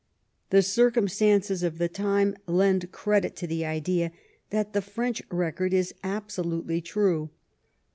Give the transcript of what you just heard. The circumstances of the time lend credit to the idea that the French record is absolutely true.